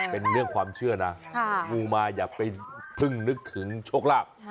เป็นเรื่องความเชื่อนะงูมาอย่าไปพึ่งนึกถึงโชคลาภ